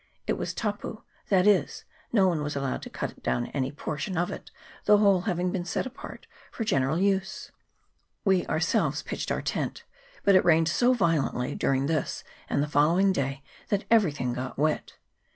It was " tapu," that is, no one was allowed 312 EXTENSIVE VIEW OF THE [PART II. to cut down any portion of it, the whole having been set apart for general use. We ourselves pitched our tent, but it rained so violently during this and the following day, that everything got wet.